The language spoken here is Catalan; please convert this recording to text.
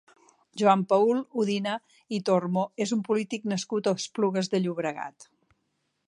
Joan-Paül Udina i Tormo és un polític nascut a Esplugues de Llobregat.